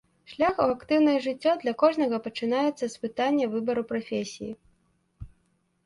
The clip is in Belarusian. Шлях у актыўнае жыццё для кожнага пачынаецца з пытання выбару прафесіі.